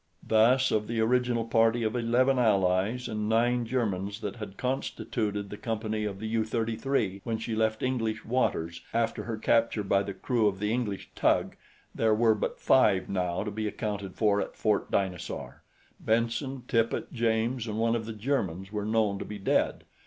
Thus of the original party of eleven Allies and nine Germans that had constituted the company of the U 33 when she left English waters after her capture by the crew of the English tug there were but five now to be accounted for at Fort Dinosaur. Benson, Tippet, James, and one of the Germans were known to be dead.